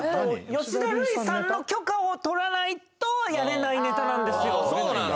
吉田類さんの許可を取らないとやれないネタなんですよああそうなの？